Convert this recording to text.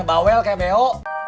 bawel kayak beo